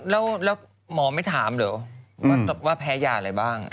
แล้วหมอไม่ถามเหรอว่าแพ้ยาอะไรบ้าง